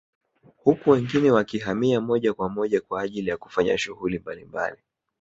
Huku wengine wakihamia moja kwa moja kwa ajili ya kufanya shughuli mbalimbali